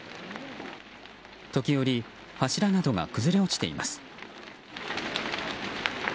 時折、柱などが崩れ落ちています。